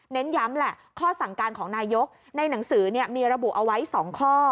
ย้ำแหละข้อสั่งการของนายกในหนังสือมีระบุเอาไว้๒ข้อ